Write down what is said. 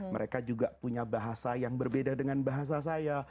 mereka juga punya bahasa yang berbeda dengan bahasa saya